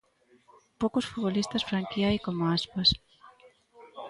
Poucos futbolistas franquía hai como Aspas.